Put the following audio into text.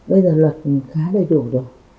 bây giờ luật khá đầy đủ rồi